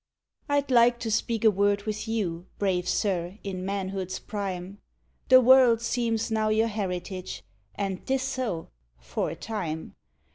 I'd like to speak a word with you, brave sir, in manhood's prime! The world seems now your heritage, and 'tis so for a time.